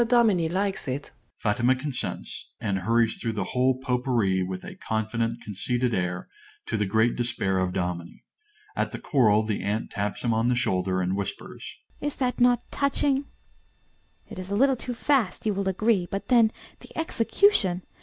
Dominie likes it. (_Fatima consents, and hurries through the whole Potpourri with a confident, conceited air, to the great despair of Dominie. At the choral, the aunt taps him on the shoulder, and whispers._) AUNT. Is not that touching? It is a little too fast, you will agree; but then the execution!